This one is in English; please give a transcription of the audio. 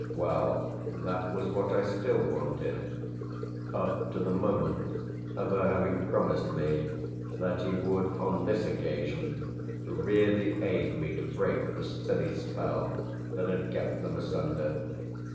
Well, that was what I still wanted up to the moment of her having promised me that he would on this occasion really aid me to break the silly spell that had kept them asunder.